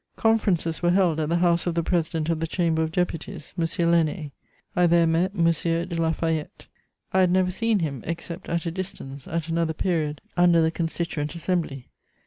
Conferences were held at the house of the President of the Chamber of Deputies, M. Lainé. I there met M. de La Fayette: I had never seen him except at a distance, at another period, under the Constituent Assembly.